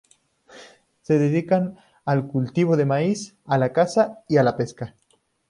Se dedicaban al cultivo de maíz, a la caza y a la pesca.